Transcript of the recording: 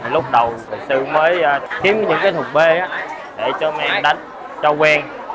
lúc đầu sư mới kiếm những cái thùng bê để cho mẹ đánh cho quen